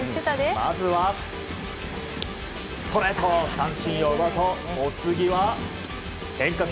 まずはストレート、三振を奪うとお次は、変化球。